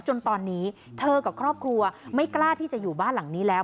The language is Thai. จนตอนนี้เธอกับครอบครัวไม่กล้าที่จะอยู่บ้านหลังนี้แล้ว